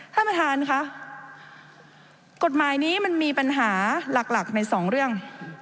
ท่านประธานค่ะกฎหมายนี้มันมีปัญหาหลักในสองเรื่อง